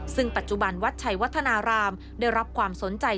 ซึ่งปัจจุบันวัดชัยวัฒนารามได้รับความสนใจ